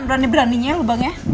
berani beraninya lu bang ya